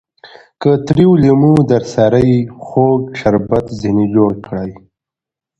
که تريو لېمو درسره يي؛ خواږه شربت ځني جوړ کړئ!